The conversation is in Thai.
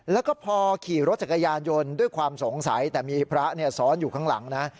แล้วก็พอขี่รถจักรยานยนต์ด้วยความสงสัยแต่มีพระซ้อนอยู่ข้างหลังนะ